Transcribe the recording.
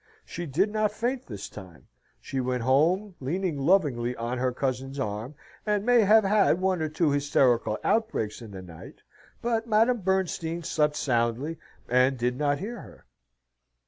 She did not faint this time; she went home, leaning lovingly on her cousin's arm, and may have had one or two hysterical outbreaks in the night; but Madame Bernstein slept soundly, and did not hear her.